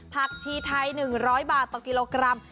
ชีไทย๑๐๐บาทต่อกิโลกรัม